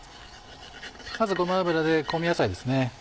まずごま油で香味野菜ですね。